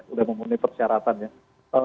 sudah memenuhi persyaratannya